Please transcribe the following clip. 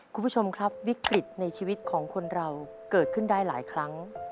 คุณผู้ชมครับวิกฤตในชีวิตของคนเราเกิดขึ้นได้หลายครั้ง